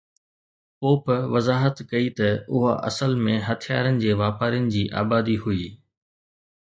Pope وضاحت ڪئي ته اها اصل ۾ هٿيارن جي واپارين جي آبادي هئي.